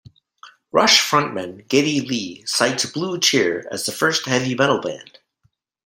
Rush frontman Geddy Lee cites Blue Cheer as the first heavy metal band.